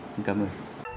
xin cảm ơn